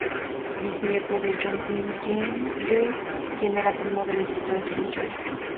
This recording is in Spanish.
Es bisnieto de John "Tiny" Joyce, quien era primo del escritor James Joyce.